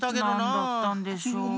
なんだったんでしょう。